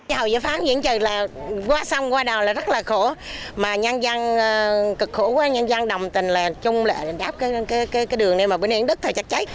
hội giới phán diễn trừ là qua sông qua đào là rất là khổ mà nhân dân cực khổ quá nhân dân đồng tình là trung lệ đáp cái đường này mà bữa nay đất thời chắc cháy